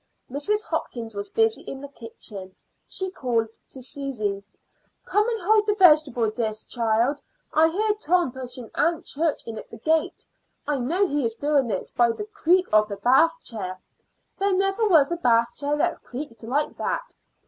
Mrs. Hopkins was busy in the kitchen. She called to Susy: "Come and hold the vegetable dish, child. I hear Tom pushing Aunt Church in at the gate; I know he is doing it by the creak of the bath chair. There never was a bath chair that creaked like that.